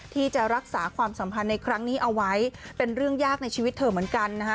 ที่จะรักษาความสัมพันธ์ในครั้งนี้เอาไว้เป็นเรื่องยากในชีวิตเธอเหมือนกันนะฮะ